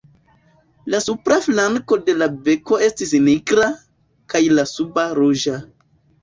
La supra flanko de la beko estis nigra, kaj la suba ruĝa.